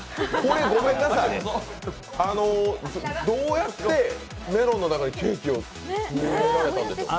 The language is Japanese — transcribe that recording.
ごめんなさいどうやってメロンの中にケーキを詰められたんでしょう？